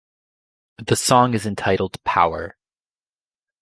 The song is entitled "Power".